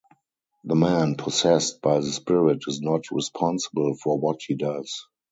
The man possessed by the spirit is not responsible for what he does.